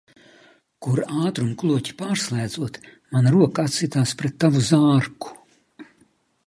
Kur ātruma kloķi pārslēdzot, mana roka atsitās pret tavu zārku.